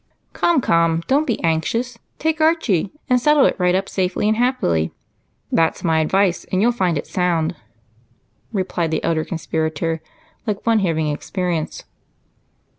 "Come, come, don't be anxious take Archie and settle it right up safely and happily. That's my advice, and you'll find it sound," replied the elder conspirator, like one having experience.